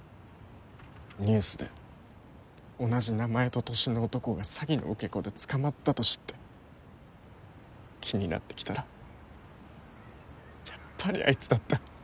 ニュースで同じ名前と年の男が詐欺の受け子で捕まったと知って気になって来たらやっぱりアイツだった。